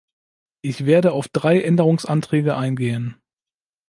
Ich werde auf drei Änderungsanträge eingehen.